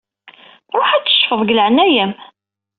Ruḥ ad teccfeḍ deg leɛnaya-m.